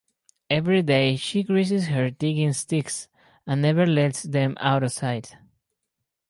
Every day she greases her digging-sticks and never lets them out of sight.